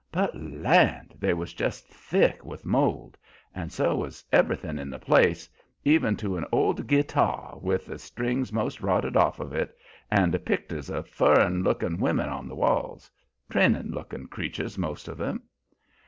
But Land! they was just thick with mould, and so was everythin' in the place, even to an old gittar with the strings most rotted off of it, and the picters of fur rin lookin' women on the walls, trinin' lookin' creeturs most of 'em.